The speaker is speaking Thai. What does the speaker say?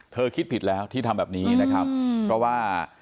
เขาคิดผิดแล้วที่ทำแบบนี้นะครับก็ว่า